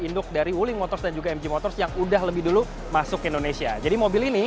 induk dari wuling motors dan juga mg motors yang udah lebih dulu masuk ke indonesia jadi mobil ini